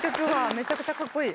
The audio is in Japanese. めちゃくちゃかっこいい！